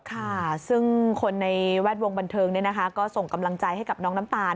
ค่ะซึ่งคนในแวดวงบันเทิงก็ส่งกำลังใจให้กับน้องน้ำตาล